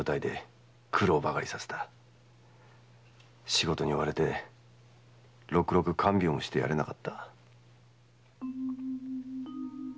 仕事に追われてろくろく看病もしてやれなかった。